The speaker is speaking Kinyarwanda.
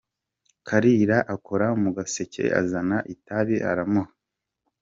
Kalira akora mu gaseke azana itabi aramuha.